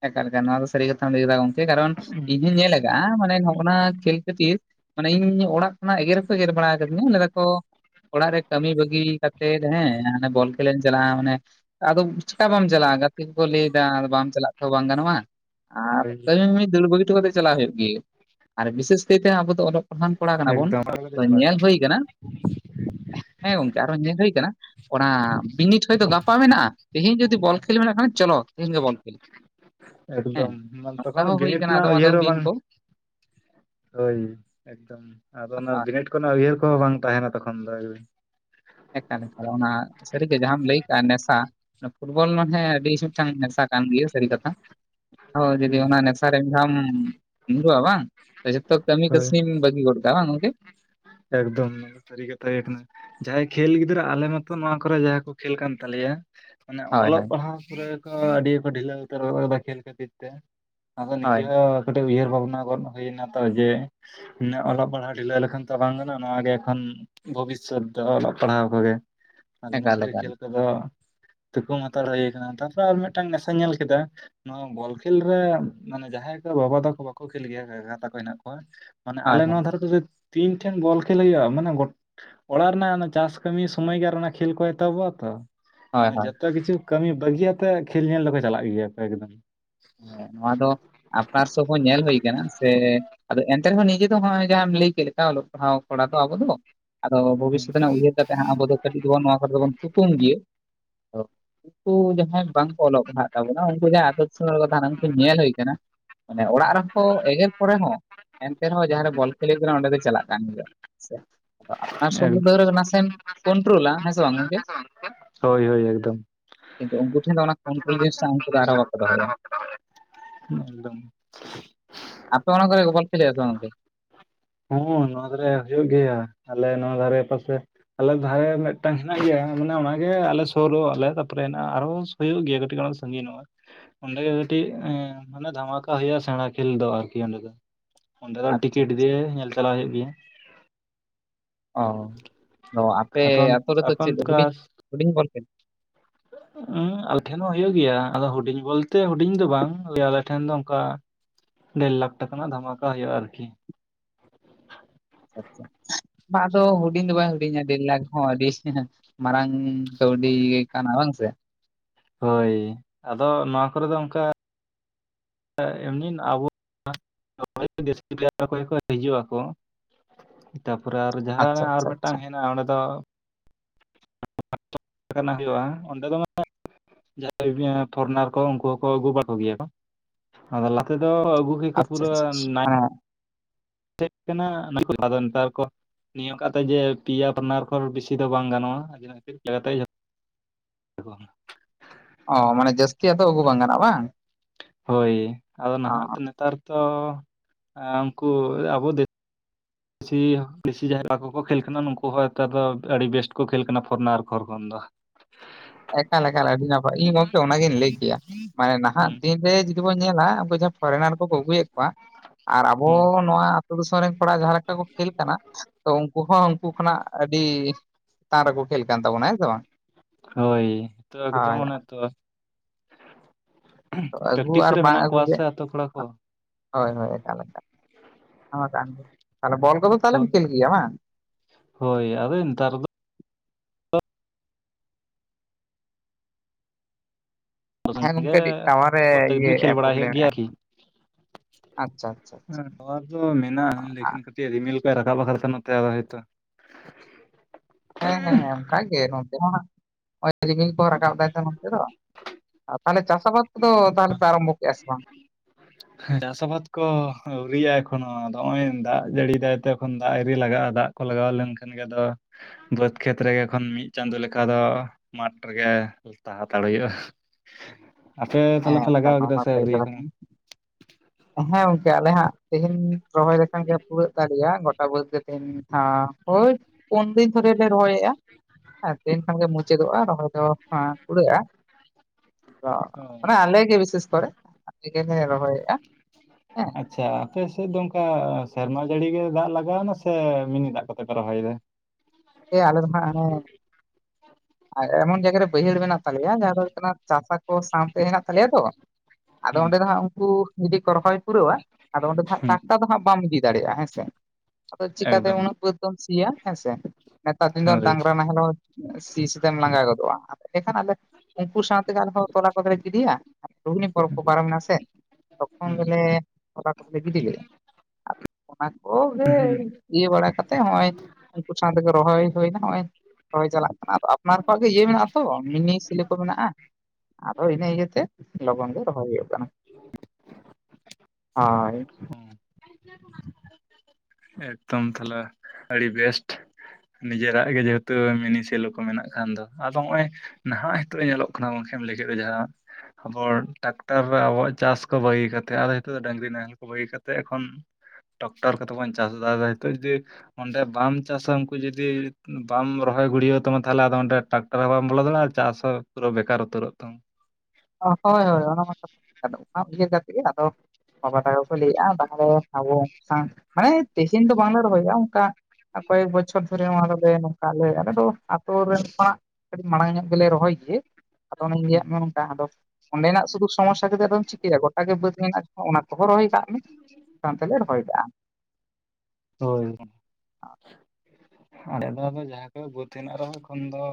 ᱮᱠᱟᱞ-ᱮᱠᱟᱞ ᱱᱚᱣᱟ ᱫᱚ ᱥᱟᱹᱨᱤ ᱠᱟᱛᱷᱟᱢ ᱞᱟᱹᱭ ᱠᱮᱫᱟ ᱜᱚᱝᱠᱮ ᱠᱟᱨᱚᱱ ᱤᱧ ᱦᱚᱧ ᱧᱮᱞ ᱠᱟᱜ ᱢᱟᱱᱮ ᱱᱚᱜ-ᱱᱟ ᱠᱷᱮᱞ ᱠᱷᱟᱹᱛᱤᱨ ᱢᱟᱱᱮ ᱤᱧ ᱚᱲᱟᱜ ᱠᱷᱚᱱᱟᱜ ᱮᱜᱮᱨᱠᱚ ᱮᱜᱮᱨ ᱵᱟᱲᱟ ᱟᱠᱟᱫᱤᱧᱟ ᱞᱮ ᱫᱟᱠᱚ ᱚᱲᱟᱜ ᱨᱮ ᱠᱟᱹᱢᱤ ᱵᱟᱹᱜᱤ ᱠᱟᱛᱮᱫ ᱦᱮᱸ ᱦᱟᱱᱮ ᱵᱚᱞ ᱠᱷᱮᱞ ᱮᱢ ᱪᱟᱞᱟᱜ-ᱟ ᱢᱟᱱᱮ ᱟᱫᱚ ᱪᱮᱫᱟ ᱵᱟᱢ ᱪᱟᱞᱟᱜ-ᱟ ᱜᱟᱛᱮ ᱠᱚᱠᱚ ᱞᱟᱹᱭ ᱫᱟ ᱟᱫᱚ ᱵᱟᱢ ᱪᱟᱞᱟᱜ-ᱟ ᱛᱚ ᱵᱟᱝ ᱜᱟᱱᱚᱜᱼᱟ ᱟᱨ ᱳᱭ ᱠᱟᱹᱢᱤ ᱢᱟᱢᱤ ᱫᱟᱹᱲ ᱵᱟᱜᱤ ᱦᱚᱴᱳ ᱠᱟᱛᱮ ᱪᱟᱞᱟᱣ ᱦᱩᱭᱩᱜ ᱜᱮᱭᱟ ᱟᱨ ᱵᱤᱥᱮᱥ ᱠᱟᱭᱛᱮ ᱟᱵᱚ ᱫᱚ ᱚᱞᱚᱜ ᱯᱨᱚᱫᱷᱟᱱ ᱠᱚᱲᱟ ᱠᱟᱱᱟ ᱵᱚᱱ ᱮᱠᱫᱚᱢ ᱚᱱᱟ ᱠᱚᱫᱚ ᱪᱟᱞᱟᱣ ᱧᱮᱞ ᱦᱩᱭᱩᱜᱼᱟ ᱦᱩᱭ ᱠᱟᱱᱟ ᱦᱮᱸ ᱜᱚᱝᱠᱮ ᱟᱨᱚ ᱧᱮᱞ ᱦᱩᱭ ᱠᱟᱱᱟ ᱚᱱᱟ ᱵᱤᱱᱤᱰ ᱦᱚᱭᱛᱳ ᱜᱟᱯᱟ ᱢᱮᱱᱟᱜᱼᱟ ᱛᱮᱦᱤᱧ ᱡᱩᱫᱤ ᱵᱚᱞ ᱠᱷᱮᱞ ᱢᱮᱱᱟᱜ ᱠᱷᱟᱱ ᱪᱚᱞᱚ ᱛᱮᱦᱤᱧ ᱜᱮ ᱵᱚᱞ ᱠᱷᱮᱞ ᱾ ᱮᱠᱫᱚᱢ ᱢᱟᱱᱮ ᱛᱚᱠᱷᱚᱱ ᱦᱚᱸ ᱦᱩᱭ ᱵᱤᱱᱤᱰ ᱠᱟᱱᱟ ᱨᱮᱱᱟᱜ ᱟᱫᱚᱢ ᱩᱭᱦᱟᱨ ᱟᱫᱚᱢ ᱦᱚᱸ ᱫᱤᱱ ᱵᱟᱝ ᱠᱚ ᱦᱳᱭ ᱮᱠᱫᱚᱢ ᱟᱫᱚ ᱚᱱᱟ ᱵᱤᱱᱤᱰ ᱠᱚᱨᱮᱱᱟᱜ ᱩᱭᱦᱟᱹᱨ ᱠᱚᱦᱚᱸ ᱵᱟᱝ ᱛᱟᱦᱮᱱᱟ ᱛᱚᱠᱷᱚᱱ ᱫᱚ ᱮᱠᱟᱞ ᱮᱠᱟᱞ ᱚᱱᱟ ᱥᱟᱹᱨᱤᱜᱮ ᱡᱟᱦᱟᱸᱢ ᱞᱟᱹᱭ ᱠᱟᱜᱼᱟ ᱱᱮᱥᱟ ᱯᱷᱩᱴᱵᱚᱞ ᱦᱮᱸ ᱟᱹᱰᱤ ᱢᱤᱫᱴᱟᱝ ᱱᱮᱥᱟ ᱠᱟᱱ ᱜᱮᱭᱟ ᱥᱟᱹᱨᱤ ᱠᱟᱛᱷᱟ ᱦᱳᱭ ᱡᱚᱫᱤ ᱦᱩᱸ ᱚᱱᱟ ᱱᱮᱥᱟ ᱟᱨ ᱢᱤᱫ ᱫᱟᱢ ᱧᱩᱨᱩᱜᱼᱟ ᱵᱟᱝ ᱛᱚ ᱠᱟᱹᱢᱤ ᱦᱳᱭ ᱠᱟᱹᱥᱱᱤ ᱵᱟᱹᱜᱤ ᱜᱚᱫ ᱠᱟᱜᱼᱟ ᱵᱟᱝ ᱜᱚᱝᱠᱮ ᱮᱠᱫᱚᱢ ᱱᱚᱣᱟ ᱫᱚ ᱥᱟᱹᱨᱤ ᱠᱟᱛᱷᱟ ᱜᱮ ᱠᱟᱱᱟ ᱡᱟᱦᱟᱸᱭ ᱠᱷᱮᱞ ᱜᱤᱫᱽᱨᱟᱹ ᱟᱞᱮ ᱢᱟᱛᱚ ᱱᱚᱣᱟ ᱠᱚᱨᱮ ᱡᱟᱦᱟᱸᱭ ᱠᱚ ᱠᱷᱮᱞ ᱠᱟᱱ ᱛᱟᱞᱮᱭᱟ ᱢᱟᱱᱮ ᱦᱳᱭ ᱚᱞᱚᱜ ᱦᱳᱭ ᱯᱟᱲᱦᱟᱣ ᱯᱩᱨᱟᱹ ᱠᱚ ᱟᱹᱰᱤ ᱠᱚ ᱰᱷᱤᱞᱟᱹᱣ ᱩᱛᱟᱹᱨ ᱟᱠᱟᱫᱟ ᱠᱷᱮᱞ ᱠᱷᱟᱹᱛᱤᱨ ᱛᱮ ᱟᱫᱚ ᱦᱳᱭ ᱱᱤᱡᱮ ᱦᱚᱸ ᱠᱟᱹᱴᱤᱡᱽ ᱩᱭᱦᱟᱹᱨ ᱵᱷᱟᱵᱱᱟ ᱜᱚᱫ ᱦᱩᱭᱱᱟ ᱛᱚ ᱡᱮ ᱩᱱᱟᱹᱜ ᱚᱞᱚᱜ ᱯᱟᱲᱦᱟᱜ ᱰᱷᱤᱞᱟᱹᱣ ᱞᱮᱠᱷᱟᱱ ᱛᱚ ᱵᱟᱝ ᱜᱟᱱᱚᱜ ᱱᱚᱣᱟ ᱜᱮ ᱮᱠᱷᱚᱱ ᱵᱷᱚᱵᱤᱥᱥᱚᱛ ᱫᱚ ᱚᱞᱚᱜ ᱯᱟᱲᱦᱟᱣ ᱠᱚᱜᱮ ᱟᱫᱤ ᱮᱠᱟᱞ ᱱᱚᱣᱟ ᱮᱠᱟᱞ ᱠᱷᱮᱞ ᱠᱚᱫᱚ ᱛᱩᱠᱩᱢ ᱦᱟᱛᱟᱲ ᱦᱩᱭ ᱟᱠᱟᱱᱟ ᱛᱟᱯᱚᱨ ᱟᱨ ᱢᱤᱫᱴᱟᱝ ᱱᱮᱥᱟᱧ ᱧᱮᱞ ᱠᱮᱫᱟ ᱱᱚᱣᱟ ᱵᱚᱞ ᱠᱷᱮᱞ ᱨᱮ ᱢᱟᱱᱮ ᱡᱟᱦᱟᱸᱭ ᱠᱚ ᱵᱟᱵᱟ ᱛᱟᱠᱚ ᱵᱟᱠᱚ ᱠᱷᱮᱞ ᱜᱮᱭᱟ ᱜᱟ ᱛᱟᱠᱚ ᱚᱠᱚᱭ ᱦᱮᱱᱟᱜ ᱠᱚᱣᱟ ᱢᱟᱱᱮ ᱦᱳᱭ ᱟᱞᱮ ᱦᱳᱭ ᱱᱚᱣᱟ ᱫᱷᱟᱨᱮ ᱛᱤᱱ ᱴᱷᱮᱱ ᱵᱚᱞ ᱠᱷᱮᱞ ᱦᱩᱭᱩᱜᱼᱟ ᱢᱟᱱᱮ ᱜᱚᱴ ᱚᱲᱟᱜ ᱨᱮᱱᱟᱜ ᱪᱟᱥ ᱠᱟᱹᱢᱤ ᱥᱚᱢᱚᱭ ᱜᱮ ᱟᱨ ᱚᱱᱟ ᱠᱷᱮᱞ ᱠᱚ ᱮᱛᱚᱦᱚᱵᱚᱜ-ᱟᱛᱚ ᱦᱳᱭ ᱦᱳᱭ ᱢᱟᱱᱮ ᱡᱚᱛᱚ ᱠᱤᱪᱷᱩ ᱠᱟᱹᱢᱤ ᱵᱟᱹᱜᱤᱭᱟᱛᱮ ᱠᱷᱮᱞ ᱧᱮᱞ ᱫᱚᱠᱚ ᱪᱟᱞᱟᱜ ᱜᱮᱭᱟ ᱠᱚ ᱮᱠᱫᱚᱢ᱾ ᱦᱮᱸ ᱱᱚᱣᱟ ᱫᱚ ᱟᱯᱱᱟᱨ ᱥᱚᱢᱚᱭ ᱧᱮᱞ ᱦᱩᱭ ᱟᱠᱟᱱᱟ ᱥᱮ ᱟᱫᱚ ᱮᱱᱛᱮ ᱨᱮᱦᱚᱸ ᱱᱤᱡᱮ ᱫᱚ ᱱᱚᱜᱼᱚᱭ ᱡᱟᱦᱟᱸᱢ ᱞᱟᱹᱭ ᱠᱮᱫ ᱞᱮᱠᱟ ᱚᱞᱚᱜ ᱯᱟᱲᱦᱟᱣ ᱠᱚᱲᱟ ᱛᱚ ᱟᱵᱚ ᱫᱚ ᱟᱫᱚ ᱦᱩᱸ ᱵᱷᱚᱵᱤᱥᱥᱚᱛ ᱨᱮᱱᱟᱜ ᱩᱭᱦᱟᱹᱨ ᱠᱟᱛᱮ ᱦᱟᱸᱜ ᱟᱵᱚ ᱫᱚ ᱠᱟᱹᱴᱤᱡ ᱫᱚᱵᱚ ᱱᱚᱣᱟ ᱠᱚᱨᱮ ᱫᱚᱵᱚᱱ ᱛᱷᱩᱠᱩᱢ ᱜᱮᱭᱟ᱾ ᱩᱝᱠᱩ ᱡᱟᱦᱟᱸᱭ ᱵᱟᱝ ᱠᱚ ᱚᱞᱚᱜ ᱯᱟᱲᱦᱟᱜ ᱛᱟᱵᱚᱱᱟ ᱩᱝᱠᱩ ᱟᱫᱚ ᱩᱱ ᱥᱚᱢᱚᱭ ᱨᱮᱠᱚ ᱫᱟᱬᱟᱱ ᱛᱮ ᱧᱮᱞ ᱦᱩᱭ ᱠᱟᱱᱟ ᱢᱟᱱᱮ ᱚᱲᱟᱜ ᱨᱮᱦᱚᱸ ᱠᱚ ᱮᱜᱮᱨ ᱯᱚᱨᱮ ᱦᱚᱸ ᱮᱱᱛᱮ ᱨᱮᱦᱚᱸ ᱦᱩᱸ ᱡᱟᱦᱟᱸᱨᱮ ᱵᱚᱞ ᱠᱷᱮᱞ ᱦᱩᱭᱩᱜ ᱠᱟᱱᱟ ᱚᱸᱰᱮ ᱫᱚ ᱪᱟᱞᱟᱜ ᱠᱟᱱ ᱜᱮᱭᱟ ᱥᱮ ᱟᱯᱱᱟᱨ ᱦᱩᱸ ᱥᱚᱵ ᱵᱤᱫᱟᱹᱞ ᱮᱠᱫᱚᱢ ᱨᱮᱦᱚᱸ ᱥᱮᱢ ᱠᱚᱱᱴᱨᱳᱞᱟ ᱦᱮᱸᱥᱮ ᱵᱟᱝ ᱦᱳᱭ ᱦᱳᱭ ᱮᱠᱫᱚᱢ᱾ ᱠᱤᱱᱛᱩ ᱩᱱᱠᱩ ᱴᱷᱮᱱ ᱫᱚ ᱚᱱᱟ ᱠᱚᱱᱴᱨᱳᱞ ᱡᱤᱱᱤᱥ ᱥᱟᱶ ᱩᱱᱠᱩ ᱫᱚ ᱟᱨᱚ ᱵᱟᱠᱚ ᱫᱚᱦᱚᱭᱟ᱾ ᱮᱠᱫᱚᱢ ᱟᱯᱮ ᱚᱱᱟ ᱠᱚᱨᱮ ᱵᱚᱞ ᱠᱷᱮᱞ ᱦᱩᱭᱩᱜᱼᱟ ᱥᱮ ᱵᱟᱝ ᱜᱚᱝᱠᱮ? ᱦᱩᱸ, ᱱᱚᱣᱟ ᱫᱷᱟᱨᱮ ᱦᱩᱭᱩᱜ ᱜᱮᱭᱟ ᱟᱞᱮ ᱱᱚᱣᱟ ᱫᱷᱟᱨᱮ ᱯᱟᱥᱮ᱾ ᱟᱞᱮ ᱫᱷᱟᱨᱮ ᱢᱤᱫᱴᱟᱝ ᱦᱮᱱᱟᱜ ᱜᱮᱭᱟ ᱢᱟᱱᱮ ᱚᱱᱟ ᱜᱮ ᱟᱞᱮ ᱥᱩᱨᱚᱜ ᱟᱞᱮ ᱛᱟᱨᱯᱚᱨᱮ ᱦᱮᱱᱟᱜ ᱟᱨᱚ ᱦᱩᱭᱩᱜ ᱜᱮᱭᱟ ᱠᱟᱹᱴᱤᱡ ᱜᱟᱱ ᱥᱟᱺᱜᱧᱚᱜᱼᱟ᱾ ᱚᱸᱰᱮ ᱜᱮ ᱠᱟᱹᱴᱤᱡ ᱢᱟᱱᱮ ᱫᱷᱟᱢᱟᱠᱟ ᱦᱩᱭᱩᱜᱼᱟ ᱥᱮᱬᱟ ᱠᱷᱮᱞ ᱫᱚ ᱟᱨᱠᱤ ᱚᱸᱰᱮ ᱜᱮ ᱚᱸᱰᱮ ᱫᱚ ᱟᱪᱪᱷᱟ ᱴᱤᱠᱤᱴ ᱫᱤᱭᱮ ᱧᱮᱞ ᱪᱟᱞᱟᱣ ᱦᱩᱭᱩᱜ ᱜᱮᱭᱟ᱾ ᱚ ᱟᱫᱚ ᱟᱯᱮ ᱚᱱ ᱟᱛᱳ ᱨᱮᱫᱚ ᱟᱯᱮ ᱪᱮᱫ ᱚᱱᱛᱮ ᱞᱮᱠᱟ ᱦᱩᱰᱤᱧ ᱦᱩᱰᱤᱧ ᱵᱚᱞ ᱠᱷᱮᱞ? ᱦᱩᱸ ᱟᱞᱮ ᱴᱷᱮᱱ ᱦᱚᱸ ᱦᱩᱭᱩᱜ ᱜᱮᱭᱟ ᱟᱫᱚ ᱦᱩᱰᱤᱧ ᱵᱚᱞᱛᱮ ᱦᱩᱰᱤᱧ ᱫᱚ ᱵᱟᱝ ᱞᱮᱭᱟ ᱟᱞᱮ ᱴᱷᱮᱱ ᱫᱚ ᱚᱝᱠᱟ ᱰᱮᱲ ᱞᱟᱠᱷ ᱴᱟᱠᱟ ᱨᱮᱱᱟᱜ ᱫᱷᱟᱢᱟᱠᱟ ᱦᱩᱭᱩᱜᱼᱟ ᱟᱨᱠᱤ ᱟᱪᱪᱷᱟ ᱟᱪᱪᱷᱟ ᱵᱟᱝ ᱟᱫᱚ ᱦᱩᱰᱤᱧ ᱫᱚ ᱵᱟᱝ ᱦᱩᱰᱤᱧᱟ ᱰᱮᱲ ᱞᱟᱠᱷ ᱦᱚᱸ ᱟᱹᱰᱤ ᱢᱟᱨᱟᱝ ᱠᱟᱹᱣᱰᱤ ᱜᱮ ᱠᱟᱱᱟ ᱵᱟᱝ ᱥᱮ ᱦᱳᱭ ᱟᱫᱚ ᱱᱚᱣᱟ ᱠᱚᱨᱮ ᱫᱚ ᱚᱝᱠᱟ ᱮᱢᱱᱤ ᱟᱵᱚ ᱱᱚᱣᱟ ᱰᱤᱥᱴᱤᱠ ᱠᱷᱚᱱ ᱜᱮ ᱠᱚ ᱦᱤᱡᱩᱜ-ᱟ ᱠᱚ ᱛᱟᱯᱚᱨᱮ ᱟᱨ ᱡᱟᱦᱟᱸ ᱟᱪᱪᱷᱟ ᱟᱨ ᱟᱪᱪᱷᱟ ᱢᱤᱫᱴᱟᱝ ᱟᱪᱪᱷᱟ ᱦᱮᱱᱟᱜᱼᱟ ᱚᱸᱰᱮ ᱫᱚ ᱮᱠᱷᱚᱱ ᱦᱚᱸ ᱦᱩᱭᱩᱜᱼᱟ ᱚᱸᱰᱮ ᱫᱚ ᱢᱟᱱᱮ ᱡᱟᱦᱟᱸᱭ ᱯᱷᱚᱨᱱᱟᱨ ᱠᱚ ᱩᱝᱠᱩ ᱦᱚᱸᱠᱚ ᱟᱹᱜᱩ ᱵᱟᱲᱟ ᱠᱚ ᱜᱮᱭᱟ ᱠᱚ ᱟᱫᱚ ᱞᱟᱦᱟ ᱛᱮ ᱫᱚ ᱟᱹᱜᱩ [unintelligible] ᱟᱪᱪᱷᱟ ᱯᱩᱨᱟᱹ ᱟᱪᱪᱷᱟ ᱱᱟ [unintelligible] ᱢᱟᱱᱮ ᱠᱟᱱᱟ [unintelligible] ᱫᱚ ᱱᱮᱛᱟᱨ [unintelligible] ᱠᱚ ᱱᱤᱭᱟᱹᱠᱟ ᱛᱮ ᱡᱮ ᱯᱮᱭᱟ ᱯᱟᱴᱱᱟᱨ ᱠᱷᱚᱱ ᱵᱤᱥᱤ ᱫᱚ ᱵᱟᱝ ᱜᱟᱱᱚᱜᱼᱟ [unintelligible] ᱛᱷᱩᱝ ᱚ ᱢᱟᱱᱮ ᱡᱟᱹᱥᱛᱤ ᱟᱫᱚ ᱟᱹᱜᱩ ᱵᱟᱝ ᱜᱟᱱᱚᱜᱼᱟ ᱵᱟᱝ? ᱦᱳᱭ ᱟᱫᱚ ᱚ ᱱᱟᱦᱟᱜ ᱛᱚ ᱱᱮᱛᱟᱨ ᱛᱚ ᱟᱸ ᱩᱝᱠᱩ ᱟᱵᱚ ᱵᱤᱥᱤ ᱵᱤᱥᱤ ᱡᱟᱦᱟᱸ ᱟᱠᱚ ᱠᱚ ᱠᱷᱮᱞ ᱠᱟᱱᱟ ᱱᱩᱠᱩ ᱦᱚᱸ ᱱᱮᱛᱟᱨ ᱫᱚ ᱟᱹᱰᱤ ᱵᱮᱥᱴ ᱠᱚ ᱠᱷᱮᱞ ᱠᱟᱱᱟ ᱯᱷᱚᱨᱱᱟᱚᱨ ᱠᱷᱚᱱ ᱫᱚ᱾ ᱮᱠᱟᱞ ᱮᱠᱟᱞ ᱟᱹᱰᱤ ᱱᱟᱯᱟᱭ ᱤᱧ ᱦᱚ ᱜᱚᱝᱠᱮ ᱚᱱᱟᱜᱤᱧ ᱞᱟᱹᱭ ᱠᱮᱭᱟ ᱢᱟᱱᱮ ᱱᱟᱦᱟᱜ ᱦᱩᱸ ᱫᱤᱱ ᱨᱮ ᱡᱩᱫᱤ ᱵᱚᱱ ᱧᱮᱞᱟ ᱟᱠᱚ ᱡᱟᱦᱟᱸ ᱯᱷᱚᱨᱮᱱᱟᱨ ᱠᱚᱠᱚ ᱟᱹᱜᱩᱭᱮᱫ ᱠᱚᱣᱟ ᱟᱨ ᱟᱵᱚ ᱦᱩᱸ ᱱᱚᱣᱟ ᱟᱛᱳ ᱫᱤᱥᱚᱢ ᱨᱮᱱ ᱠᱚᱲᱟ ᱡᱟᱦᱟᱸ ᱞᱮᱠᱟ ᱠᱚ ᱠᱷᱮᱞ ᱠᱟᱱᱟ ᱛᱚ ᱩᱝᱠᱩ ᱦᱚᱸ ᱩᱝᱠᱩ ᱠᱷᱚᱱᱟᱜ ᱟᱹᱰᱤ ᱪᱮᱛᱟᱱ ᱨᱮᱠᱚ ᱠᱷᱮᱞ ᱠᱟᱱ ᱛᱟᱵᱚᱱᱟ ᱦᱮᱸ ᱥᱮ ᱵᱟᱝ ᱦᱳᱭ ᱛᱚ ᱮᱠᱫᱚᱢ ᱦᱳᱭ ᱚᱱᱮ ᱛᱚ ᱟᱹᱜᱩ ᱯᱮᱠᱴᱤᱥ ᱟᱨ ᱨᱮ ᱵᱟᱝ ᱢᱮᱱᱟᱜ ᱟᱹᱜᱩ ᱠᱚᱣᱟ ᱜᱮ ᱥᱮ ᱟᱛᱳ ᱠᱚᱲᱟ ᱠᱚ ᱦᱳᱭ ᱦᱳᱭ ᱮᱠᱟᱞ ᱮᱠᱟᱞ ᱚᱱᱟ ᱢᱟ ᱠᱟᱱ ᱜᱮ ᱛᱟᱦᱚᱞᱮ ᱵᱚᱞ ᱠᱚᱫᱚ ᱛᱟᱦᱚᱞᱮᱢ ᱠᱷᱮᱞ ᱜᱮᱭᱟ ᱵᱟᱝ? ᱦᱳᱭ ᱟᱫᱚ ᱱᱮᱛᱟᱨ ᱫᱚ ᱦᱮᱸ ᱜᱚᱝᱠᱮ ᱥᱚᱝᱜᱮ ᱠᱟᱹᱴᱤᱡ ᱴᱟᱣᱟᱨ ᱨᱮ ᱯᱨᱚᱛᱮᱠ ᱫᱤᱱ ᱤᱭᱟᱹ ᱠᱷᱮᱞ ᱵᱟᱲᱟᱭ ᱦᱩᱭᱩᱜ ᱜᱮᱭᱟ ᱯᱨᱚᱵᱞᱮᱢᱮᱜᱼᱟ ᱟᱨᱠᱤ᱾ ᱟᱪᱪᱷᱟ ᱟᱪᱪᱷᱟ ᱦᱮᱸ ᱴᱟᱣᱟᱨ ᱫᱚ ᱢᱮᱱᱟᱜᱼᱟ ᱟ ᱞᱮᱠᱤᱱ ᱠᱟ ᱪᱮ ᱨᱢᱤᱞ ᱠᱚᱟᱭ ᱨᱟᱠᱟᱵ ᱟᱠᱟᱫᱟ ᱱᱚᱛᱮ ᱟᱫᱚ ᱦᱚᱭᱛᱚ᱾ ᱦᱮᱸ ᱦᱮ‌ᱸ ᱦᱮᱸ ᱚᱝᱠᱟ ᱜᱮ ᱱᱚᱛᱮ ᱦᱚᱸ ᱦᱟᱸᱜ ᱨᱤᱢᱤᱞ ᱠᱚ ᱨᱟᱠᱟᱵ ᱫᱟᱭ ᱛᱚ ᱱᱚᱱᱛᱮ ᱫᱚ ‌ᱟᱨ ᱛᱟᱦᱞᱮ ᱪᱟᱥᱟᱵᱟᱫ ᱠᱚᱫᱚ ᱛᱟᱦᱚᱞᱮ ᱯᱮ ᱟᱨᱟᱢᱵᱷᱚ ᱠᱮᱜᱼᱟ ᱥᱮ ᱵᱟᱝ? [inaudible] ᱪᱟᱥ ᱟᱵᱟᱫ ᱠᱚ ᱟᱹᱣᱨᱤᱭᱟᱜᱼᱟ ᱮᱠᱷᱚᱱ‌ ᱦᱚᱸ ᱟᱫᱚ ᱦᱚᱸᱜ-ᱚᱭ ᱫᱟᱜ ᱡᱟᱹᱲᱤᱭ ᱫᱟᱭ ‌ᱛᱚ ᱮᱠᱷᱚᱱ ᱫᱟᱜ ᱟᱣᱨᱤ ᱞᱟᱜᱟᱜᱼᱟ ᱫᱟᱜ ᱠᱚ ᱞᱟᱜᱟᱣ ᱞᱮᱱᱠᱷᱟᱱ ᱜᱮ ᱟᱫᱚ ᱵᱟᱹᱫᱽ ᱠᱷᱮᱛ ᱨᱮᱜᱮ ᱮᱠᱷᱚᱱ ᱢᱤᱫ ᱪᱟᱸᱫᱳ ᱞᱮᱠᱟ ᱫᱚ ᱢᱟᱴᱷ ᱨᱮᱜᱮ ᱛᱟᱸᱦᱮ ᱦᱟᱛᱟᱲ ᱦᱩᱭᱩᱜᱼᱟ, ᱟᱯᱮ ᱛᱟᱦᱚᱞᱮ ᱦᱮᱸ ᱯᱮ ᱮᱠᱟᱞ ᱞᱟᱜᱟᱣ ᱱᱚᱣᱟ ᱠᱮᱫᱟ ᱢᱟ ᱥᱮ ᱥᱟᱹᱨᱤ ᱟᱹᱣᱨᱤ ᱠᱟᱛᱷᱟ ᱟᱠᱚ? ᱠᱟᱱᱟ [inaudible] ᱦᱮᱸ ᱜᱚᱝᱠᱮ ᱟᱞᱮ ᱦᱟᱸᱜ ᱛᱦᱮᱧ ᱨᱚᱦᱚᱭ ᱞᱮᱠᱷᱟᱱ ᱜᱮ ᱯᱩᱨᱟᱹᱜ ᱛᱟᱞᱮᱭᱟ ᱜᱚᱴᱟ ᱵᱟᱹᱫᱽ ᱜᱮ ᱛᱮᱧ ᱦᱳ ᱯᱩᱱᱫᱤᱱ ᱯᱚᱨᱮ ᱞᱮ ᱨᱚᱦᱮᱫᱼᱟ᱾ ᱟᱨ ᱛᱮᱦᱮᱧ ᱠᱷᱟᱱᱜ ᱜᱮ ᱢᱩᱪᱟᱹᱫᱚᱜᱼᱟ ᱨᱚᱦᱚᱭ ᱫᱚ ᱠᱩᱲᱟᱹᱜᱼᱟ᱾ ᱦᱳᱭ ᱢᱟᱱᱮ ᱟᱞᱮ ᱜᱮ ᱵᱤᱥᱮᱥ ᱠᱚᱨᱮ ᱟᱞᱮ ᱜᱮᱞᱮ ᱨᱚᱦᱚᱭᱮᱫᱼᱟ ᱦᱮᱸ᱾ ᱟᱯᱮᱥᱮᱫ ᱫᱚ ᱚᱱᱠᱟ ᱥᱮᱨᱢᱟ ᱡᱟᱹᱲᱤ ᱜᱮ ᱫᱟᱜ ᱞᱟᱜᱟᱣᱱᱟ ᱥᱮ ᱢᱤᱱᱤ ᱫᱟᱜ ᱠᱚᱛᱮ ᱯᱮ ᱨᱚᱦᱚᱭᱮᱫᱟ? ᱮ ᱟᱞᱮ ᱫᱚᱱᱟᱜ ᱮ ᱟᱨ ᱮᱢᱚᱱ ᱡᱟᱭᱜᱟᱨᱮ ᱵᱟᱹᱭᱦᱟᱹᱲ ᱢᱮᱱᱟᱜ ᱛᱟᱞᱮᱭᱟ ᱡᱟᱦᱟᱸ ᱫᱚ ᱦᱩᱭᱩᱜ ᱠᱟᱱᱟ ᱪᱟᱥᱟ ᱠᱚ ᱥᱟᱶᱛᱮ ᱦᱮᱱᱟᱜ ᱛᱟᱞᱮᱭᱟ ᱛᱚ ᱟᱫᱚ ᱦᱩᱸ ᱚᱸᱰᱮ ᱫᱚ ᱦᱟᱸᱜ ᱩᱱᱠᱩ ᱡᱩᱫᱤ ᱠᱚ ᱨᱚᱦᱚᱭ ᱯᱩᱨᱟᱹᱣ-ᱟ ᱟᱫᱚ ᱚᱸᱰᱮ ᱫᱚᱜ ᱦᱩᱸ ᱴᱟᱠᱴᱟ ᱫᱚ ᱦᱟᱜ ᱵᱟᱢ ᱤᱫᱤ ᱫᱟᱲᱮᱭᱟᱜᱼᱟ ᱦᱮᱸᱥᱮ ᱟᱫᱚ ᱪᱤᱠᱟᱛᱮ ᱮᱠᱫᱚᱢ ᱩᱱᱟᱹᱜ ᱵᱟᱹᱫᱽ ᱫᱚᱢ ᱥᱤᱭᱟ ᱦᱮᱸ ᱥᱮ᱾ ᱱᱮᱛᱟᱨ ᱫᱤᱱ ᱫᱚ ᱦᱳᱭ ᱰᱟᱝᱨᱟ ᱱᱟᱦᱮᱞᱳ ᱥᱤ ᱥᱤᱛᱮᱢ ᱞᱟᱸᱜᱟ ᱜᱚᱫᱚᱜᱼᱟ ᱟᱫᱚ ᱮᱰᱮᱠᱷᱟᱱ ᱟᱞᱮ ᱩᱱᱠᱩ ᱥᱟᱶᱛᱮᱜᱮ ᱟᱞᱮᱦᱚᱸ ᱛᱚᱞᱟ ᱠᱚᱫᱚᱞᱮ ᱜᱤᱰᱤᱭᱟ ᱨᱩᱜᱷᱱᱤ ᱯᱚᱨᱚᱵᱽ ᱠᱚ ᱯᱟᱨᱚᱢᱮᱱᱟ ᱥᱮ ᱛᱚᱠᱷᱚᱱ ᱦᱩᱸ ᱜᱮᱞᱮ ᱛᱚᱞᱟ ᱠᱚᱫᱚᱞᱮ ᱜᱤᱰᱤ ᱠᱮᱭᱟ᱾ ᱚᱱᱟ ᱠᱚᱜᱮ ᱦᱩᱸ ᱤᱭᱟᱹ ᱵᱟᱲᱟ ᱠᱟᱛᱮ ᱦᱚᱸᱜᱼᱚᱭ ᱩᱱᱠᱩ ᱥᱟᱶᱛᱮᱠᱚ ᱨᱚᱦᱚᱭ ᱦᱩᱭᱱᱟ ᱱᱚᱜᱼᱚᱭ ᱨᱚᱦᱚᱭ ᱪᱟᱞᱟᱜ ᱠᱟᱱᱟ ᱟᱫᱚ ᱟᱯᱱᱟᱨ ᱠᱚᱣᱟᱜ ᱜᱮ ᱤᱭᱟᱹ ᱢᱮᱱᱟᱜᱼᱟ ᱛᱚ ᱢᱤᱱᱤ ᱥᱤᱞᱮ ᱠᱚ ᱢᱮᱱᱟᱜᱼᱟ᱾ ᱟᱫᱚ ᱤᱱᱟᱹ ᱤᱭᱟᱹᱛᱮ ᱞᱚᱜᱚᱱ ᱜᱮ ᱨᱚᱦᱚᱭ ᱦᱩᱭᱩᱜ ᱠᱟᱱᱟ᱾ ᱦᱳᱭ ᱮᱠᱫᱚᱢ ᱛᱟᱦᱚᱞᱮ ᱟᱹᱰᱤ ᱵᱮᱥᱴ᱾ ᱱᱤᱡᱮᱨᱟᱜ ᱜᱮ ᱡᱮᱦᱮᱛᱩ ᱢᱤᱱᱤ ᱥᱮᱞᱚ ᱠᱚ ᱢᱮᱱᱟᱜ ᱠᱷᱟᱱ ᱫᱚ ᱟᱫᱚ ᱱᱚᱜᱼᱚᱭ ᱱᱟᱦᱟᱜ ᱱᱤᱛᱚᱜ ᱧᱮᱞᱚᱜ ᱠᱟᱱᱟ ᱜᱚᱝᱠᱮᱢ ᱞᱟᱹᱭ ᱠᱮᱫᱼᱟ ᱡᱟᱦᱟᱸ ᱦᱳᱞ ᱴᱟᱠᱴᱟᱨ ᱨᱮ ᱟᱵᱚᱣᱟᱜ ᱪᱟᱥ ᱠᱚ ᱵᱟᱹᱜᱤ ᱠᱟᱛᱮ ᱟ ᱱᱤᱛᱚ ᱰᱟᱝᱨᱤ ᱱᱟᱦᱮᱞ ᱠᱚ ᱵᱟᱹᱜᱤ ᱠᱟᱛᱮ ᱮᱠᱦᱚᱱ ᱴᱟᱠᱴᱚᱨ ᱠᱟᱛᱮ ᱵᱚᱱ ᱪᱟᱥᱫᱟ ᱟᱫᱚ ᱱᱤᱛᱚᱜ ᱡᱩᱫᱤ ᱚᱸᱰᱮ ᱵᱟᱢ ᱪᱟᱥᱟ ᱩᱱᱠᱩ ᱡᱚᱫᱤ ᱵᱟᱢ ᱨᱚᱦᱚᱭ ᱜᱩᱲᱭᱟᱸᱶ ᱛᱟᱢᱟ ᱛᱟᱦᱚᱞᱮ ᱟᱫᱚ ᱚᱸᱰᱮ ᱴᱟᱠ ᱵᱟᱢ ᱵᱚᱞᱚ ᱫᱟᱲᱭᱟᱜᱼᱟ ᱪᱟᱥ ᱦᱚᱸ ᱯᱩᱨᱟᱹ ᱵᱮᱠᱟᱨ ᱩᱛᱟᱹᱨᱚᱜ ᱛᱟᱢᱟ᱾ ᱦᱳᱭ ᱦᱳᱭ ᱚᱱᱟ ᱢᱟ ᱠᱟᱛᱷᱟ ᱟᱫᱚ ᱚᱱᱟ ᱤᱭᱟᱹ ᱠᱟᱛᱮᱜ ᱜᱮ ᱟᱫᱚ ᱵᱟᱵᱟ ᱛᱟᱠᱚᱠᱚ ᱞᱟᱹᱭᱮᱫᱼᱟ ᱛᱟᱦᱚᱞᱮ ᱟᱵᱚ ᱢᱟᱱᱮ ᱛᱮᱦᱤᱧ ᱫᱚ ᱵᱟᱝᱞᱮ ᱨᱚᱦᱚᱭᱼᱟ ᱚᱱᱠᱟ ᱟᱠᱚᱜᱮ ᱵᱚᱪᱷᱚᱨ ᱫᱷᱚᱨᱮ ᱱᱚᱣᱟ ᱫᱚᱞᱮ ᱱᱚᱝᱠᱟ ᱟᱞᱮ ᱫᱚ ᱟ ᱟᱹᱛᱩ ᱨᱮᱱ ᱠᱷᱚᱱᱟᱜ ᱠᱟᱹᱴᱤᱡ ᱢᱟᱲᱟᱝ ᱧᱚᱜ ᱜᱮᱞᱮ ᱨᱚᱦᱚᱭ ᱜᱮᱭᱟᱹ᱾ ᱟᱫᱚ ᱚᱱᱮᱧ ᱞᱟᱹᱭᱟᱫ ᱦᱩᱸ ᱢᱮ ᱚᱱᱠᱟ ᱟᱫᱚ ᱚᱸᱰᱮᱱᱟᱜ ᱥᱩᱫᱩ ᱥᱚᱢᱚᱥᱟ ᱠᱟᱛᱮ ᱫᱚᱢ ᱪᱤᱠᱟᱹᱭᱟ ᱜᱚᱴᱟ ᱜᱮᱮ ᱵᱟᱹᱫᱽ ᱢᱮᱱᱟᱜ ᱚᱱᱟ ᱠᱚᱦᱚᱸ ᱨᱚᱦᱚᱭ ᱠᱟᱜ ᱢᱮ ᱥᱟᱶ ᱛᱮᱞᱮ ᱨᱚᱦᱚᱭ ᱠᱟᱜᱼᱟ ᱦᱳᱭ ᱟᱞᱮ ᱫᱚ ᱟᱫᱚ ᱡᱟᱦᱟᱸ ᱠᱚᱨᱮ ᱵᱟ. ᱫᱽ ᱦᱮᱱᱟᱜ ᱨᱮᱦᱚᱸ ᱮᱠᱷᱚᱱ ᱫᱚ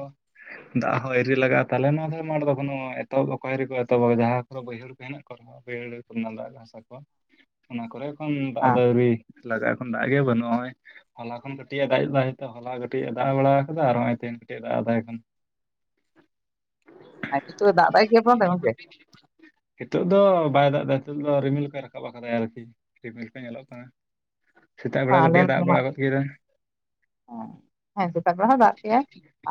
ᱫᱟᱜ ᱦᱚᱸ ᱮᱤᱨᱤ ᱞᱟᱜᱟᱜᱼᱟ ᱛᱟᱦᱚᱞᱮ ᱱᱚᱣᱟ ᱢᱟᱴ ᱫᱚ ᱮᱠᱷᱚᱱᱳ ᱮᱛᱚᱦᱚᱵᱠᱚᱭ ᱮᱨᱤ ᱠᱚ ᱮᱛᱚᱦᱚᱵ ᱡᱟᱦᱟᱸ ᱠᱚᱨᱮ ᱵᱟᱹᱭᱦᱟᱹ ᱦᱮᱱᱟᱜ ᱠᱚᱣᱟ ᱨᱮᱦᱚᱸ [unintelligible] ᱫᱟᱜ ᱦᱟᱥᱟ ᱠᱚ ᱚᱱᱟ ᱠᱚᱨᱮ ᱠᱷᱚᱱ ᱟᱫᱚ ᱟᱹᱨᱤ ᱞᱟᱜᱟᱜ ᱠᱷᱚᱱ ᱫᱟᱜ ᱜᱮ ᱵᱟᱹᱱᱩᱜᱼᱟ ᱦᱚᱜ-ᱚᱭ ᱦᱚᱞᱟ ᱠᱷᱚᱱ ᱠᱟᱹᱴᱤᱡ ᱮ ᱫᱟᱜ ᱦᱚᱞᱟ ᱠᱟᱹᱴᱤᱡ ᱮ ᱫᱟᱜ ᱵᱟᱲᱟ ᱠᱟᱫᱟ ᱟᱨ ᱱᱚᱜᱼᱚᱭ ᱛᱮᱦᱮᱧ ᱠᱟᱹᱴᱤᱡ ᱮ ᱫᱟᱜ ᱮ ᱛᱟᱦᱮᱸ ᱠᱟᱱᱟ [unintelligible] ᱦᱤᱛᱚᱜ ᱫᱚ ᱵᱟᱭ ᱫᱟᱜ ᱮᱫᱟ ᱱᱤᱛᱚᱜ ᱫᱚ ᱨᱤᱢᱤᱞᱠᱟᱭ ᱨᱟᱠᱟᱵ ᱟᱠᱟᱫᱟᱭ ᱟᱨᱠᱤ ᱨᱤᱢᱤᱞ ᱠᱚ ᱧᱮᱞᱚᱜ [inaudible] ᱥᱮᱛᱟᱜ ᱵᱮᱲᱟ ᱟᱞᱮ ᱠᱟᱹᱴᱤᱡ ᱮ ᱫᱟᱜ ᱫᱚ ᱵᱟᱲᱟ ᱦᱟᱸᱜ ᱜᱚᱫ ᱠᱮᱫᱟ ᱦᱮᱸ ᱦᱮᱸ ᱥᱮᱛᱟᱜ ᱵᱮᱲᱟ ᱦᱚᱸ ᱫᱟᱜ ᱠᱮᱟᱭ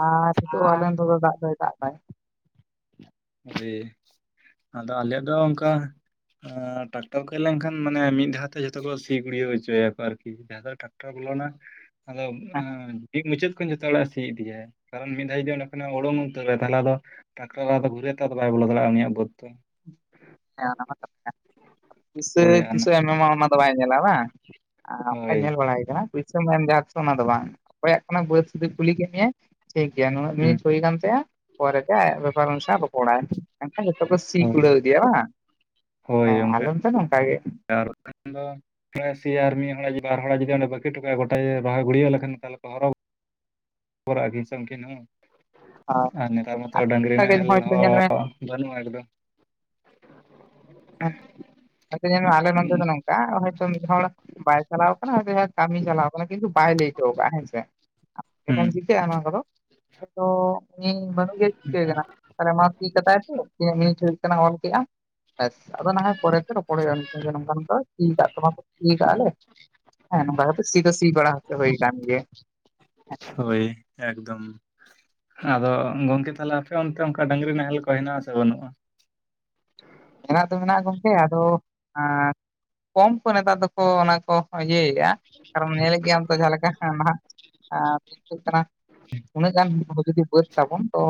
ᱟᱨ ᱱᱤᱛᱩ ᱢᱮᱱᱫᱚ ᱫᱚ ᱫᱟᱜ ᱫᱚᱭ ᱫᱟᱜ ᱠᱟᱭ ᱡᱮ ᱟᱫᱚ ᱟᱞᱮᱭᱟᱜ ᱫᱚ ᱚᱱᱠᱟ ᱟᱸ ᱴᱟᱠᱴᱟᱨ ᱠᱚ ᱦᱮᱡ ᱞᱮᱱᱠᱷᱟᱱ ᱢᱟᱱᱮ ᱢᱤᱫ ᱫᱷᱟᱣ ᱛᱮ ᱡᱷᱚᱛᱚ ᱠᱚ ᱥᱤ ᱜᱩᱲᱭᱟᱹᱣ ᱦᱚᱪᱚᱭᱟᱠᱚ ᱟᱨᱠᱤ ᱡᱟᱦᱟᱸᱠᱚᱨᱮ ᱴᱨᱟᱠᱴᱟᱨ ᱵᱚᱞᱚᱱᱟ ᱟᱫᱚ ᱦᱮᱸ ᱮᱸ ᱢᱤᱫ ᱢᱩᱪᱟᱹᱫ ᱠᱷᱚᱱ ᱡᱚᱛᱚ ᱦᱚᱲᱟᱜ ᱮ ᱥᱤ ᱤᱫᱤᱭᱤᱭᱟᱟᱭ ᱠᱟᱨᱚᱱ ᱢᱤᱫ ᱫᱷᱟᱣ ᱡᱩᱫᱤ ᱚᱸᱰᱮ ᱠᱷᱱᱟᱜ ᱩᱰᱩᱝ ᱩᱛᱟᱹᱨᱟ ᱛᱟᱦᱚᱞᱮ ᱟᱫᱚ ᱴᱟᱠᱴᱟᱨ ᱵᱟᱞᱟ ᱫᱚ ᱜᱷᱩᱨᱮᱨ ᱫᱚ ᱟᱫᱚ ᱵᱟᱭ ᱵᱚᱞᱚ ᱫᱟᱲᱮᱭᱟᱜᱼᱟ ᱩᱱᱤᱭᱟᱜ ᱵᱟᱹᱫ ᱫᱚ ᱦᱮᱸ [unintelligible] ᱛᱤᱥᱮ ᱦᱳᱭ ᱟᱱᱟ ᱛᱤᱥᱮ ᱮᱢᱟᱢᱟ ᱚᱱᱟ ᱫᱚ ᱵᱟᱭ ᱧᱮᱞᱟ ᱵᱟᱝ ᱚᱝᱠᱟ ᱦᱳᱭ ᱧᱮᱞ ᱵᱟᱲᱟᱭ ᱠᱟᱱᱟ ᱯᱩᱭᱥᱟᱹ [unintelligible] ᱚᱱᱟ ᱫᱚ ᱵᱟᱝ ᱚᱠᱚᱭᱟᱜ ᱠᱟᱱᱟ ᱵᱟᱹᱫᱽ ᱥᱩᱫ ᱠᱩᱞᱤ ᱠᱮᱫ ᱢᱮᱭᱭᱟᱞ [unintelligible] ᱴᱷᱤᱠ ᱜᱮᱭᱟ ᱱᱩᱱᱟᱹᱜ ᱦᱩᱸ ᱢᱤᱱᱤᱴᱷ ᱦᱩᱭ ᱠᱟᱱ ᱛᱟᱭᱟ ᱯᱚᱨᱮ ᱛᱮ ᱟᱭᱟᱜ ᱵᱮᱯᱟᱨ ᱚᱱᱥᱟ ᱨᱚᱯᱲᱟ ᱮᱱᱠᱷᱟᱱ ᱱᱤᱛᱚᱜ ᱫᱚ ᱥᱤ ᱦᱳᱭ ᱠᱩᱲᱟᱹᱣ ᱤᱫᱤᱭᱟ ᱵᱟᱝ ᱦᱳᱭ ᱦᱮᱸ ᱚᱱᱠᱟ ᱟᱞᱚᱢ ᱛᱚ ᱱᱚᱝᱠᱟ ᱜᱮ [unintelligible] ᱟᱨ ᱢᱤᱫ ᱦᱚᱲ ᱵᱟᱨ ᱦᱚᱲ ᱡᱩᱫᱤ ᱚᱸᱰᱮ ᱵᱟᱹᱠᱤ ᱴᱚᱠᱟᱜᱼᱟ ᱜᱚᱴᱟ ᱨᱚᱦᱚᱭ ᱜᱩᱲᱭᱟᱹ ᱞᱮᱠᱷᱟᱱ ᱛᱟᱦᱚᱞᱮ ᱦᱚᱨᱚᱜ [unintelligible] [unintelligible] ᱩᱝᱠᱤᱱ ᱦᱚᱸ ᱦᱳᱭ ᱟᱨ ᱱᱮᱛᱟᱨ ᱢᱚᱛᱚ ᱟᱞᱮ ᱰᱟᱝᱨᱤ ᱚᱱᱠᱟ ᱜᱮ ᱱᱟᱦᱮᱞ ᱦᱚᱭᱛᱚ ᱧᱮᱞ ᱢᱮ ᱦᱚᱸ ᱵᱟᱹᱜ-ᱟ ᱮᱠᱫᱚᱢ [unintelligible] ᱟᱞᱮ ᱢᱚᱱᱫᱮᱫ ᱱᱚᱝ ᱦᱚᱭᱛᱳ ᱢᱤᱫ ᱦᱚᱲ ᱵᱟᱭ ᱪᱟᱞᱟᱣ ᱠᱟᱱᱟ ᱠᱟᱹᱢᱤ ᱪᱟᱞᱟᱣ ᱠᱟᱱᱟ ᱠᱤᱱᱛᱩ ᱵᱟᱭ ᱞᱟᱹᱭ ᱦᱚᱴᱚᱣ ᱠᱟᱜ-ᱟ ᱦᱮᱸᱥᱮ ᱦᱩᱸ ᱮᱠᱷᱟᱹᱧ ᱪᱤᱠᱟᱹᱜᱼᱟ ᱚᱱᱟ ᱠᱚᱫᱚ ᱤᱧ ᱵᱟᱹᱱᱩᱜ ᱜᱮ ᱪᱤᱠᱟᱹᱭ ᱠᱟᱱᱟ ᱛᱟᱦᱚᱞᱮ ᱢᱟ ᱯᱷᱤᱠ ᱠᱟᱛᱟᱭ [unintelligible] ᱠᱟᱱᱟ ᱚᱞ ᱠᱮᱫᱼᱟᱢ ᱟᱪᱷᱟ ᱟᱫᱚ ᱱᱟᱦᱚᱭ ᱯᱚᱨᱮᱛᱮ ᱨᱚᱯᱚᱲ ᱦᱩᱭᱩᱜᱼᱟ ᱱ ᱜᱮ ᱱᱚᱝᱠᱟ ᱱᱚᱝᱠᱟ ᱥᱤ ᱠᱟᱜ ᱛᱟᱢ ᱥᱤ ᱟᱠᱟᱛ ᱟᱞᱮ ᱦᱮᱸ ᱱᱚᱝᱠᱟ ᱠᱟᱛᱮ ᱥᱤ ᱫᱚ ᱥᱤ ᱵᱟᱲᱟ ᱦᱜᱚᱪᱚ ᱦᱩᱭ ᱠᱟᱱ ᱜᱮ ᱦᱳᱭ ᱮᱠᱫᱚᱢ ᱟᱫᱚ ᱜᱚᱝᱠᱮ ᱛᱟᱦᱚᱞᱮ ᱟᱯᱮ ᱚᱱᱛᱮ ᱚᱱᱠᱟ ᱰᱝᱨᱤ ᱱᱟᱦᱮᱞ ᱠᱚ ᱦᱮᱱᱟᱜ ᱟᱥᱮ ᱵᱟᱹᱱᱩᱜᱼᱟ? ᱢᱮᱱᱟᱜ ᱫᱚ ᱢᱮᱱᱟᱜ ᱜᱚᱝᱠᱮ ᱟᱫᱚ ᱠᱚᱢ ᱠᱚ ᱱᱮᱛᱟᱨ ᱫᱚᱠᱚ ᱚᱱᱟ ᱠᱚ ᱤᱭᱟᱹᱭ -ᱟ ᱾ ᱠᱟᱨᱚᱱ ᱧᱮᱞ ᱜᱮᱭᱟᱢ ᱡᱟᱦᱟᱸ ᱞᱮᱠᱟ ᱱᱟ [unintelligible] ᱠᱟᱱᱟ ᱩᱱᱟᱹᱜ ᱜᱟᱱ ᱡᱩᱫᱤ ᱵᱟᱹᱫ ᱛᱟᱵᱚᱱ ᱛᱚ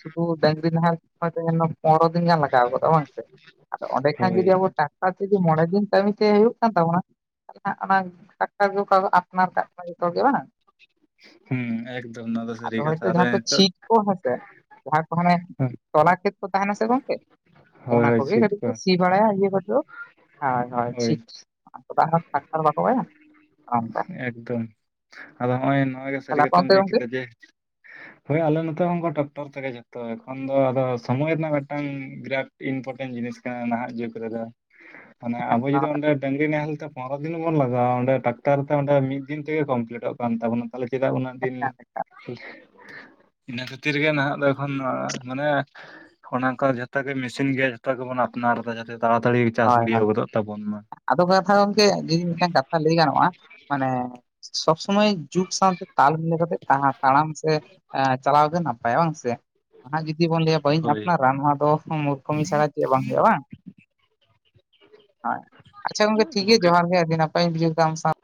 ᱥᱩᱫᱷᱩ ᱰᱝᱨᱤ ᱱᱟᱦᱟᱨ ᱡᱮᱱᱚ ᱯᱚᱱᱨᱚ ᱫᱤᱱ ᱜᱟᱱ ᱞᱟᱜᱟᱣ ᱜᱚᱫᱚᱜᱼᱟ ᱵᱟᱝ ᱾ [unintelligible] ᱟᱫᱚ ᱚᱸᱰᱮ ᱠᱷᱟᱱ ᱦᱳᱭ ᱡᱩᱫᱤ ᱟᱵᱚ ᱴᱟᱠᱟ ᱛᱮ ᱡᱩᱤ ᱢᱚᱬᱮ ᱫᱤᱱ ᱠᱟᱹᱢᱤᱛᱮ ᱦᱩᱭᱩᱜ ᱠᱟᱱ ᱛᱟᱵᱚᱱᱟ ᱾ [unintelligible] ᱚᱱᱟ ᱴᱟᱠᱴᱟᱨ ᱜᱮ [unintelligible] ᱟᱯᱱᱟᱨ ᱥᱟ ᱡᱚᱛᱚ ᱜᱮ ᱵᱟᱝ ᱦᱮᱸ ᱾ ᱟᱫᱚ ᱦᱚᱭᱛᱚ ᱡᱟᱦᱟᱸ ᱠᱚ ᱪᱷᱤᱴ ᱠᱚ ᱦᱮᱥᱮ ᱡᱟᱦᱟᱸ ᱠᱚ ᱢᱟᱱᱮ ᱦᱳᱭ ᱛᱚᱞᱟ ᱠᱷᱮᱛ ᱠᱚ ᱛᱟᱦᱮᱱᱟ ᱥᱮ ᱜᱚᱝᱠᱮ ᱚᱱᱟ ᱦᱳᱭ ᱠᱚᱜᱮ ᱪᱷᱤᱴ ᱠᱟᱹᱴᱤᱡ ᱠᱚ ᱥᱤ ᱵᱟᱲᱟᱭ ᱤᱭᱟ ᱠᱚᱫᱚ ᱦᱚᱭ ᱦᱚᱭ ᱦᱳᱭ ᱴᱷᱤᱠ ᱟᱫᱚ ᱴᱟᱠᱴᱟᱨ ᱵᱟᱠᱚ ᱵᱟᱭᱟ ᱚᱱᱮ ᱚᱱᱠᱟ ᱮᱠᱫᱚᱢ ᱟᱫᱚ ᱦᱚᱜ-ᱚᱭ ᱱᱚᱣᱟ ᱜᱮ ᱥᱟᱹᱨᱤ ᱛᱟᱦᱞᱮ ᱟᱯᱮ ᱠᱟᱛᱷᱟᱢ ᱚᱱᱛᱮ ᱞᱟᱹᱭ ᱜᱚᱝᱠᱮ ᱠᱮᱫᱟ ᱡᱮ [inaudible] ᱦᱳᱭ ᱟᱞᱮ ᱱᱚᱛᱮ ᱦᱚᱸ ᱠᱟ ᱴᱚᱠᱴᱚᱨ ᱛᱮᱜᱮ ᱡᱚᱛᱚ ᱮᱠᱷᱚᱱ ᱫᱚ ᱟᱫᱚ ᱥᱚᱢᱚᱭ ᱨᱮᱱᱟᱜ ᱢᱤᱫᱴᱟᱝ ᱜᱨᱟᱠ ᱤᱱᱯᱚᱴᱮᱱ ᱡᱤᱱᱤᱥ ᱠᱟᱱᱟ ᱱᱟᱦᱟᱜ ᱡᱩᱜᱽ ᱨᱮᱫᱚ, [inaudible] ᱢᱟᱱᱮ ᱟᱵᱚ ᱚᱱᱟ ᱡᱚᱫᱤ ᱚᱸᱰᱮ ᱰᱟᱝᱨᱤ ᱱᱟᱦᱮᱞ, ᱯᱚᱱᱮᱨᱚ ᱫᱤᱱ ᱵᱚᱱ ᱞᱟᱜᱟᱣᱟ ᱚᱸᱰᱮ ᱴᱟᱠᱴᱟᱨ ᱛᱮ ᱚᱸᱰᱮ ᱢᱤᱫ ᱫᱤᱱ ᱛᱮᱜᱮ ᱠᱚᱢᱯᱞᱤᱴᱚᱜ ᱠᱟᱱ ᱛᱟᱵᱚᱱᱟ ᱾ ᱛᱟᱦᱚᱞᱮ ᱪᱮᱫᱟᱜ ᱩᱱᱟᱹᱜ ᱫᱤᱱ, ᱤᱱᱟᱹ ᱠᱷᱟᱹᱛᱤᱨ ᱜᱮ ᱱᱟᱦᱟᱜ ᱫᱚ ᱮᱠᱷᱚᱱ ᱫᱚ ᱢᱟᱱᱮ, ᱚᱱᱮ ᱚᱝᱠᱟ ᱡᱷᱚᱛᱚ ᱜᱮ ᱢᱮᱥᱤᱱ ᱜᱮᱭᱟ ᱡᱷᱚᱛᱚ ᱜᱮᱵᱚᱱ ᱟᱯᱱᱟᱨᱫᱟ ᱡᱟᱛᱮ ᱛᱟᱲᱟᱛᱟᱲᱤ ᱪᱟᱥ ᱦᱳᱭ ᱦᱳᱭ ᱜᱩᱲᱭᱟᱹᱣ ᱜᱚᱫᱚᱜ ᱛᱟᱵᱚᱱ ᱢᱟ ᱾ ᱟᱫᱚ ᱠᱟᱛᱷᱟ ᱜᱚᱝᱠᱮ ᱡᱮ ᱤᱧ ᱢᱤᱫᱴᱟᱝ ᱠᱟᱛᱷᱟ ᱞᱟᱹᱭ ᱜᱟᱱᱚᱜᱼᱟ ᱢᱟᱱᱮ, ᱥᱚᱵᱽ ᱥᱚᱢᱚᱭ ᱡᱩᱜᱽ ᱥᱟᱶᱛᱮ ᱛᱟᱞ ᱢᱤᱞᱟᱹ ᱠᱟᱛᱮᱜ ᱛᱟᱲᱟᱢ ᱥᱮᱻ ᱟ ᱪᱟᱞᱟᱣ ᱜᱮ ᱱᱟ ᱱᱟᱯᱟᱭᱟ ᱵᱟᱝ ᱥᱮ ᱱᱟᱦᱟᱜ ᱡᱩᱫᱤ ᱵᱚᱱ ᱞᱟᱹᱭᱟ ᱵᱟᱹᱧ ᱦᱳᱭ ᱟᱯᱱᱟᱨᱟ ᱱᱚᱣᱟ ᱫᱚ ᱢᱩᱨᱠᱷᱟᱹᱢᱤ ᱪᱟᱲᱟ ᱪᱮᱫ ᱦᱚᱸ ᱵᱟᱝ ᱦᱩᱭᱩᱜᱼᱟ ᱵᱟᱝ ᱾ ᱦᱳᱭ ᱟᱪᱪᱷᱟ ᱜᱚᱝᱠᱮ ᱴᱷᱤᱜᱽᱜᱮ ᱡᱚᱦᱟᱨ ᱜᱮ ᱟᱹᱰᱤ ᱱᱟᱯᱟᱭᱤᱧ ᱵᱩᱡᱷᱟᱹᱣ ᱠᱮᱫᱟ ᱟᱢ ᱥᱟᱶ